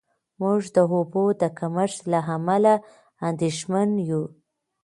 موږ د اوبو د کمښت له امله اندېښمن یو.